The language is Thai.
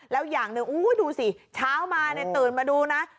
แล้วอย่างหนึ่งดูสิช้าออกมาตื่นมาดูนะ